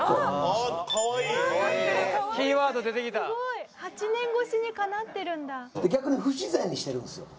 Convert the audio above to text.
すごい！８年越しにかなってるんだ。